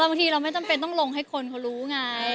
บางทีเราไม่จำเป็นต้องลงให้คนเขารู้ไง